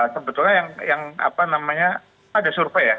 sebetulnya yang apa namanya ada survei ya